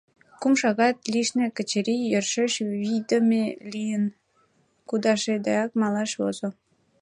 Кум шагат лишне Качырий, йӧршеш вийдыме лийын, кудашдеак малаш возо.